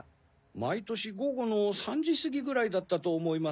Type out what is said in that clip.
毎年午後の３時過ぎぐらいだったと思います。